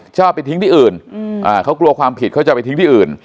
จะไปทิ้งที่อื่นอืมอ่าเค้ากลัวความผิดเค้าจะไปทิ้งที่อื่น